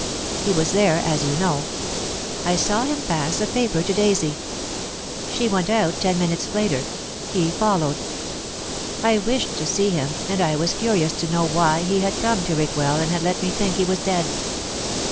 He was there, as you know. I saw him pass a paper to Daisy. She went out ten minutes later; he followed. I wished to see him, and I was curious to know why he had come to Rickwell and had let me think he was dead.